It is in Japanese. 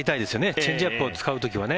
チェンジアップを使う時はね。